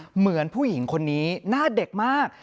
เหมือนผู้หญิงคนนี้หน้าเด็กมาก